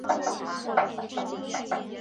嘴里说着不要身体却很诚实